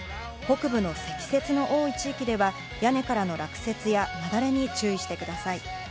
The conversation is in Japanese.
北部の積雪の多い地域では屋根からの落雪や、なだれに注意してください。